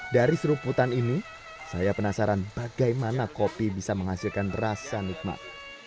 dari seruputan ini saya penasaran bagaimana kopi bisa menghasilkan rasa nikmat